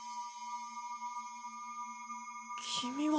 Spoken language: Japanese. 君は。